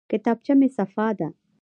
کتابچه مې صفا ده.